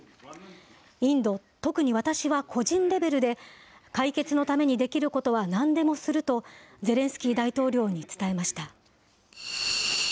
インド、特に私は個人レベルで解決のためにできることは何でもするとゼレンスキー大統領に伝えました。